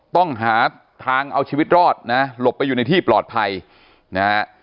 ต้องหาทางเอาชีวิตรอดนะหลบไปอยู่ในที่ปลอดภัยนะฮะ